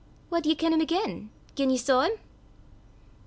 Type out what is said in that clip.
"Wad ye ken 'im again gien ye saw 'im?"